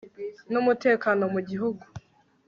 n umutekano mu gihugu